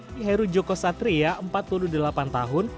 di heru joko satria empat puluh delapan tahun